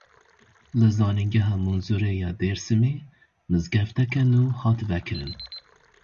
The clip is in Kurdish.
Li Zanîngeha Munzurê ya Dêrsimê mizgefteke nû hat vekirin.